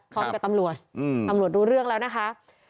พร้อมกับตำรวจตำรวจรู้เรื่องแล้วนะคะ